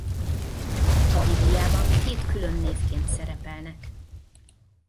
A Bibliában két külön névként szerepelnek.